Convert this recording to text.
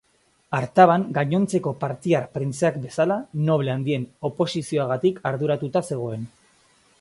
Artaban, gainontzeko partiar printzeak bezala, noble handien oposizioagatik arduratuta zegoen.